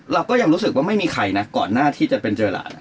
เราก็ยังรู้สึกว่าไม่มีใครนะก่อนหน้าที่จะเป็นเจอหลาน